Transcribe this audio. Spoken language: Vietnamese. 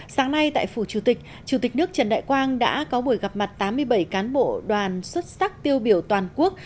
sáng nay tại phủ chủ tịch chủ tịch nước trần đại quang đã có buổi gặp mặt tám mươi bảy cán bộ đoàn xuất sắc tiêu biểu toàn quốc